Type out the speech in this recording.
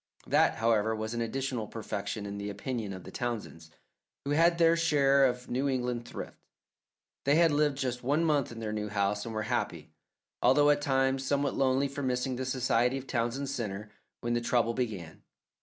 That, however, was an additional perfection in the opinion of the Townsends, who had their share of New England thrift. They had lived just one month in their new house, and were happy, although at times somewhat lonely from missing the society of Townsend Centre, when the trouble began.